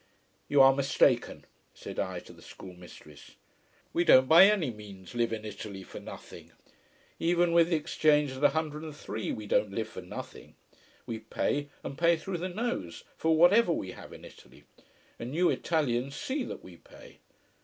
You are mistaken, said I to the schoolmistress. We don't by any means live in Italy for nothing. Even with the exchange at a hundred and three, we don't live for nothing. We pay, and pay through the nose, for whatever we have in Italy: and you Italians see that we pay.